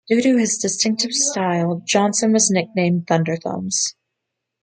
Due to his distinctive style, Johnson was nicknamed "Thunder-Thumbs".